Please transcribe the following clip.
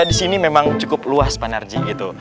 di sini memang cukup luas pak narji